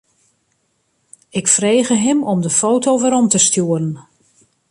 Ik frege him om de foto werom te stjoeren.